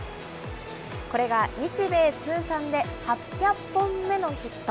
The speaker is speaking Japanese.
これが日米通算で８００本目のヒット。